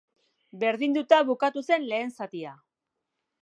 Berdinduta bukatu zen lehen zatia.